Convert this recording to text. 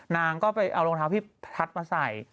นางก็ไปเอารองเท้าพี่พัดมาใส่